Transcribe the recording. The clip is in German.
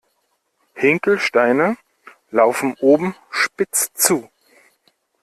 Hinkelsteine laufen oben spitz zu.